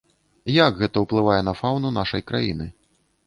Як гэта ўплывае на фаўну нашай краіны?